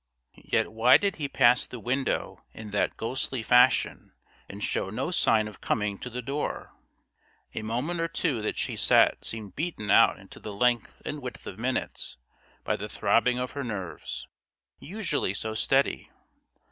Yet why did he pass the window in that ghostly fashion and show no sign of coming to the door? A moment or two that she sat seemed beaten out into the length and width of minutes by the throbbing of her nerves, usually so steady.